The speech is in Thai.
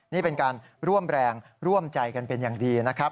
นี่เป็นการร่วมแรงร่วมใจกันเป็นอย่างดีนะครับ